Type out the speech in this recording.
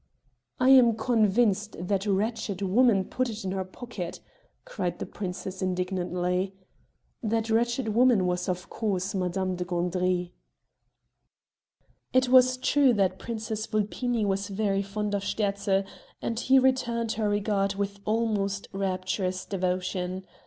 "I am convinced that wretched woman put it in her pocket!" cried the princess indignantly. That wretched woman was of course Madame de Gandry. It was true that Princess Vulpini was very fond of Sterzl, and he returned her regard with almost rapturous devotion.